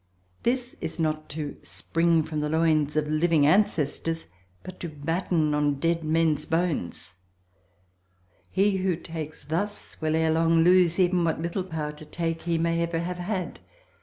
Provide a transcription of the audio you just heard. This is not to spring from the loins of living ancestors but to batten on dead men's bones. He who takes thus will ere long lose even what little power to take he may have ever had.